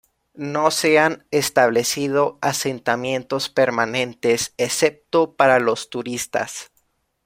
No se han establecido asentamientos permanentes, excepto para los turistas.